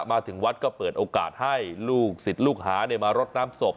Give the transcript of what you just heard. มาถึงวัตต์ก็เปิดโอกาสให้ลูกสิทธิ์ลูกหานี่มารดน้ำสก